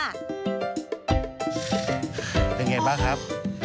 เป็นอย่างไรบ้างครับ